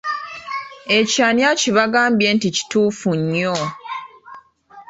Ekyo ani akibagambye nti kituufu nnyo?